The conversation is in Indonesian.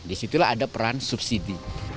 disitulah ada peran subsidi